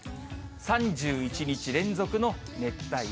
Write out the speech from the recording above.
３１日連続の熱帯夜。